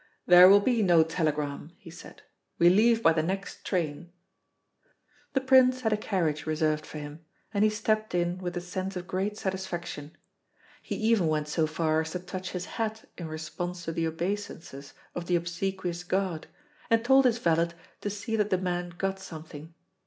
"There will be no telegram," he said. "We leave by the next train." The Prince had a carriage reserved for him, and he stepped in with a sense of great satisfaction. He even went so far as to touch his hat in response to the obeisances of the obsequious guard, and told his valet to see that the man got something.